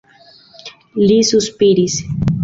Li suspiris.